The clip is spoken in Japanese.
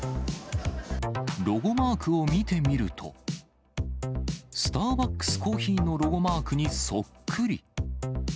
ロゴマークを見てみると、スターバックスコーヒーのロゴマークにそっくり。